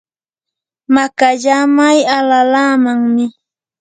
makallamay alalaamanmi.